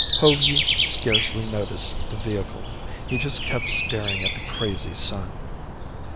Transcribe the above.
Hogey scarcely noticed the vehicle. He just kept staring at the crazy sun.